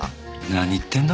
何言ってんだ？